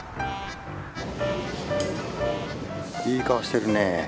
いい顔してるね。